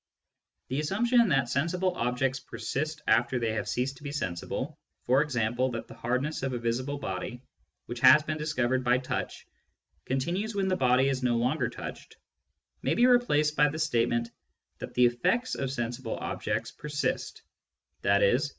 The assumption that sensible objects persist after they Digitized by Google 84 SCIENTIFIC METHOD IN PHILOSOPHY have ceased to be sensible — ^for example, that the hard ness of a visible body, which has been discovered by touch, continues when the body is no longer touched — may be replaced by the statement that the effects of sensible objects persist, i.e.